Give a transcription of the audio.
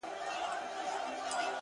نن د هر گل زړگى په وينو رنـــــگ دى-